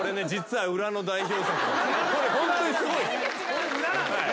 これ裏なんすね？